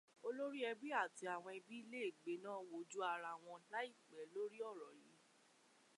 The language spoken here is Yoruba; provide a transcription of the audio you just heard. Olórí ẹbí àti àwọn ẹbí lè gbéná wojú ara wọn láìpẹ́ lórí ọ̀rọ̀ yìí.